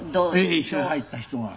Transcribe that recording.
一緒に入った人が。